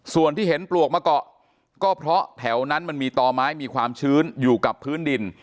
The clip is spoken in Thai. ส่วนที่เห็นปลวกมาเกาะก็เพราะแถวนั้นมันมีต่อไม้มีความชื้นอยู่กับพื้นดิน